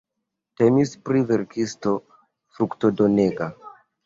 Temis pri verkisto fruktodonega.